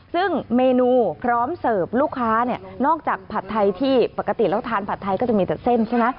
ซึ่งเมนูพร้อมเสิร์ฟลูกค้าเนี่ยนอกจากผัดไทยที่ปกติแล้วทานผัดไทยก็จะมีแต่เส้นใช่ไหม